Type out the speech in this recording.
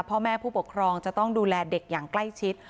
พ่อแม่ผู้ปกครองจะต้องดูแลเด็กอย่างใกล้ชิด